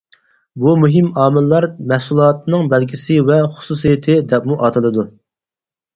بۇ مۇھىم ئامىللار مەھسۇلاتنىڭ بەلگىسى ۋە خۇسۇسىيىتى دەپمۇ ئاتىلىدۇ.